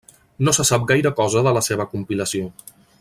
No se sap gaire cosa de la seva compilació.